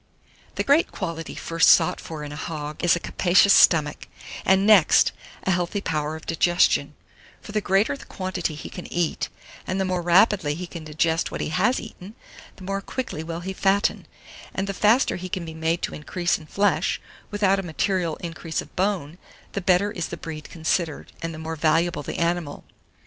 779. THE GREAT QUALITY FIRST SOUGHT FOR IN A HOG is a capacious stomach, and next, a healthy power of digestion; for the greater the quantity he can eat, and the more rapidly he can digest what he has eaten, the more quickly will he fatten; and the faster he can be made to increase in flesh, without a material increase of bone, the better is the breed considered, and the more valuable the animal.